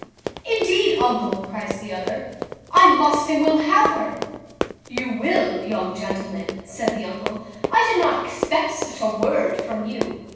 "Indeed, uncle," cries the other, "I must and will have her." "You will, young gentleman;" said the uncle; "I did not expect such a word from you.